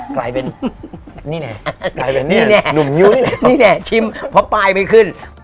กลายเป็นนี่แหนะนี่แหนะหนูมิ้วนี่แหนะนี่แหนะชิมพอปายไปขึ้น